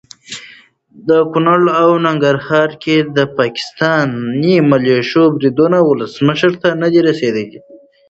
په کنړ او ننګرهار کې د پاکستاني ملیشو بریدونه ولسمشر ته ندي رسېدلي.